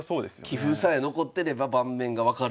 棋譜さえ残ってれば盤面が分かるという。